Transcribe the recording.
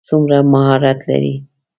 څومره مهارت لري.